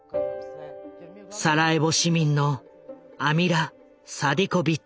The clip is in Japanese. サラエボ市民のアミラ・サディコビッチ。